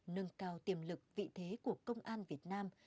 nâng cao tiềm lực vị thế của công an việt nam